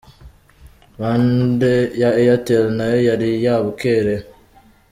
Bande ya Airtel nayo yari yabukereye.